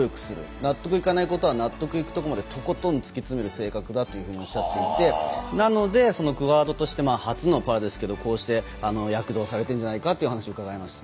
納得いかないことは納得いくところまでとことん突き詰める性格だというふうにおっしゃっていてなので初のパラですけれどもこうして躍動されているんじゃないかというお話を伺いました。